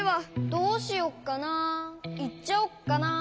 どうしよっかなあいっちゃおうかなあ。